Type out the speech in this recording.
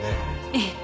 ええ。